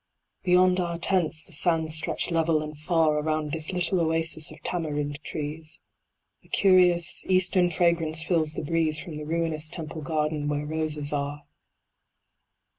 Beyond our tents the sands stretch level and far, Around this little oasis of Tamarind trees. A curious, Eastern fragrance fills the breeze From the ruinous Temple garden where roses are.